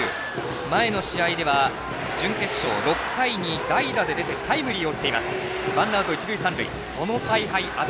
前の試合では準決勝６回に代打で出てタイムリーを打っています。